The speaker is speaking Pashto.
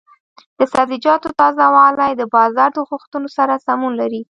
د سبزیجاتو تازه والي د بازار د غوښتنو سره سمون لري.